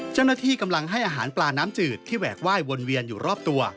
เจ้าหน้าที่กำลังให้อาหารปลาน้ำจืดที่แหวกไหว้วนเวียนอยู่รอบตัว